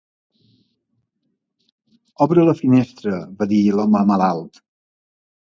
"Obre la finestra", va dir l'home malalt.